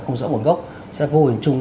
không rõ một gốc sẽ vô hình chung